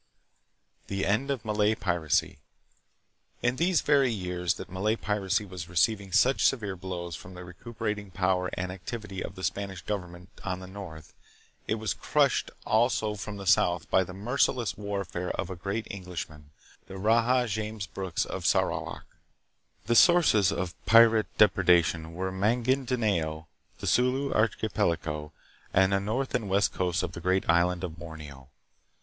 * The End of Malay Piracy. In these very years that Malay piracy was receiving such severe blows from the recuperating power and activity of the Spanish govern ment on the north, it was crushed also from the south by the merciless warfare of a great Englishman, the Raja James Brooke of Sarawak. The sources of pirate depre dation were Magindanao, the Sulu archipelago, and the north and west coasts of the great island of Borneo.